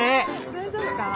大丈夫かな？